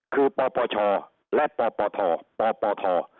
คือปปชและปปธ